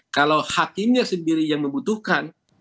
kalau hakimnya sendiri yang membutuhkan